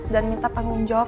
dan minta tanggung jawab